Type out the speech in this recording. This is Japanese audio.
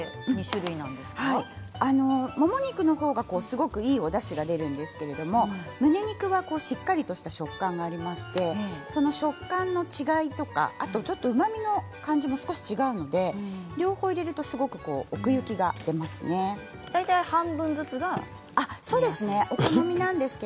もも肉の方がいいおだしが出るんですけどむね肉はしっかりとした食感がありまして食感の違いとかうまみの感じも少し違うので両方入れると半分ずつがおすすめですか。